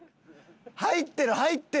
入ってる入ってる。